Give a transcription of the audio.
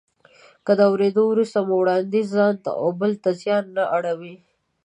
که د اورېدو وروسته مو وړانديز ځانته او بل ته زیان نه اړوي.